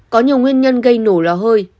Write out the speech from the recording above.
có nhiều nguyên nhân gây nổ lò hơi